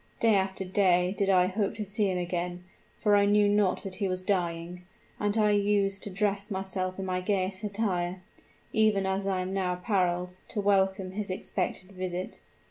Day after day did I hope to see him again, for I knew not that he was dying: and I used to dress myself in my gayest attire even as now I am appareled to welcome his expected visit.